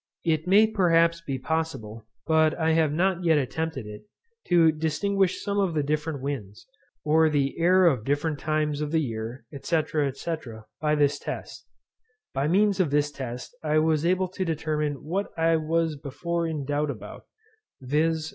It may perhaps be possible, but I have not yet attempted it, to distinguish some of the different winds, or the air of different times of the year, &c. &c. by this test. By means of this test I was able to determine what I was before in doubt about, viz.